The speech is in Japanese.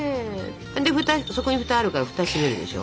そこにふたあるからふた閉めるでしょ。